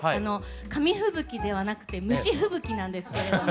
紙吹雪ではなくて虫吹雪なんですけれども。